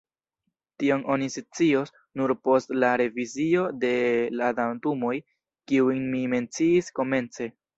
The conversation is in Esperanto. Tion oni scios nur post la revizio de la datumoj, kiujn mi menciis komence.